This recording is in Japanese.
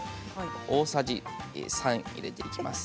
大さじ３入れていきます。